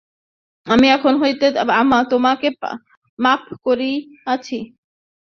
আমি তখন হইতে তোমাকে মাপ করিয়াছি।